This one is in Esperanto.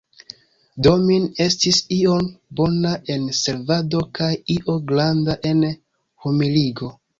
Domin, estis io bona en servado kaj io granda en humiligo.